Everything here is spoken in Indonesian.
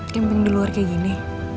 gambing di luar kayak gini